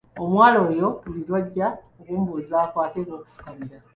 Omuwala oyo buli lwajja okumbuuzaako ateekwa okufukamira.